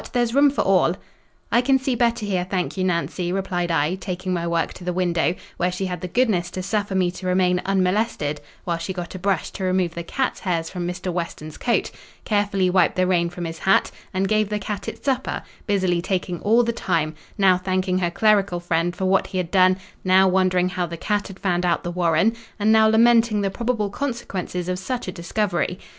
there's room for all." "I can see better here, thank you, Nancy," replied I, taking my work to the window, where she had the goodness to suffer me to remain unmolested, while she got a brush to remove the cat's hairs from Mr. Weston's coat, carefully wiped the rain from his hat, and gave the cat its supper, busily talking all the time: now thanking her clerical friend for what he had done; now wondering how the cat had found out the warren; and now lamenting the probable consequences of such a discovery.